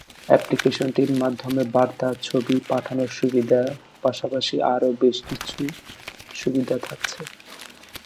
অ্যাপ্লিকেশনটির মাধ্যমে বার্তা, ছবি পাঠানোর সুবিধার পাশাপাশি আরও বেশকিছু সুবিধা থাকছে।